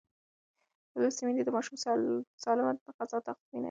لوستې میندې د ماشوم سالمه غذا تضمینوي.